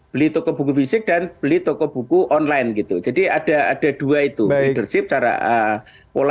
beli toko buku fisik dan beli toko buku online gitu jadi ada ada dua itu leadership cara pola